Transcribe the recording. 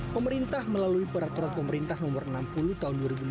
pemerintah melalui peraturan pemerintah nomor enam puluh tahun dua ribu enam belas